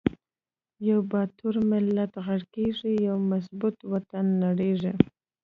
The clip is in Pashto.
یو باتور ملت غر قیږی، یو مضبوط وطن نړیږی